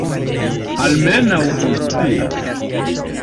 Almenaŭ konscie.